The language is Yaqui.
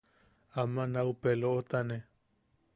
Ama nau peloʼotaane.